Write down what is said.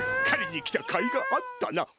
狩りに来たかいがあったな。